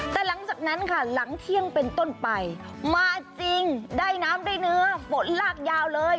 แต่หลังจากนั้นค่ะหลังเที่ยงเป็นต้นไปมาจริงได้น้ำได้เนื้อฝนลากยาวเลย